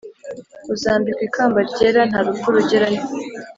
uzambikwa ikamba ryera : nta rupfu rugerayo